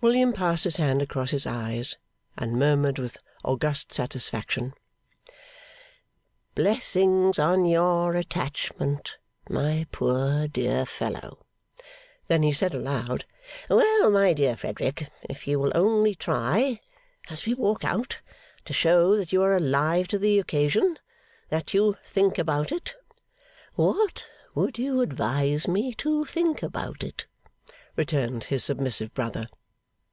William passed his hand across his eyes, and murmured with august satisfaction, 'Blessings on your attachment, my poor dear fellow!' Then he said aloud, 'Well, my dear Frederick, if you will only try, as we walk out, to show that you are alive to the occasion that you think about it ' 'What would you advise me to think about it?' returned his submissive brother.